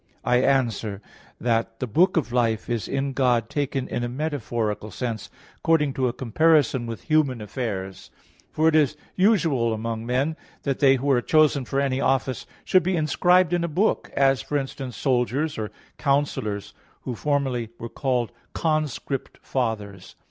I answer that, The book of life is in God taken in a metaphorical sense, according to a comparison with human affairs. For it is usual among men that they who are chosen for any office should be inscribed in a book; as, for instance, soldiers, or counsellors, who formerly were called "conscript" fathers.